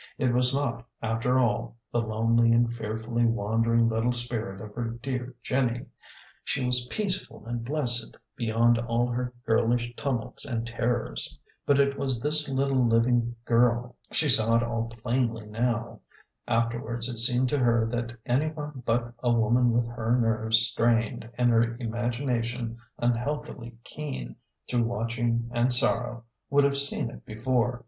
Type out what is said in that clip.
It was not, after all, the lonely and fearfully wandering little spirit of her dear Jenny ; she was peaceful and blessed, beyond all her girlish tumults and terrors ; but it was this little living girl. She saw it all plainly now. Afterwards it seemed to her that any one but a woman with her nerves strained, and her imagination unhealthily keen through watching and sorrow, would have seen it before.